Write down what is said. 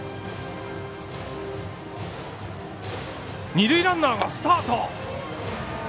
二塁ランナーがスタート！